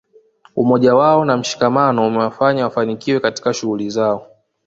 Umoja wao na mshikamano umewafanya wafanikiwe katika shughuli zao